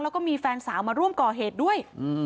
แล้วก็มีแฟนสาวมาร่วมก่อเหตุด้วย